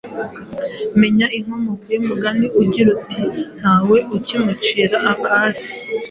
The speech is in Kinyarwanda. Menya inkomoko y'umugani ugira uti "Ntawe ukimucira akari